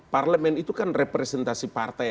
parlemen itu kan representasi partai